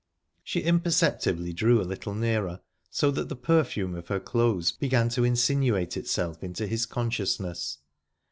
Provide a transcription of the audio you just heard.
She imperceptibly drew a little nearer, so that the perfume of her clothes began to insinuate itself into his consciousness.